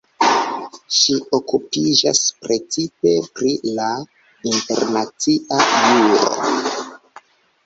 Ŝi okupiĝas precipe pri la internacia juro.